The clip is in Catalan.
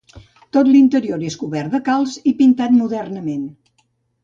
Tot l'interior és cobert de calç i pintat modernament.